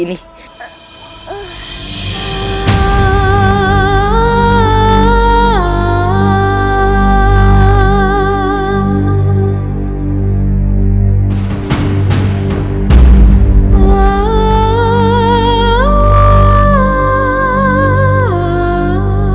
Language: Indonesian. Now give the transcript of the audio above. aku tidak mau bertahan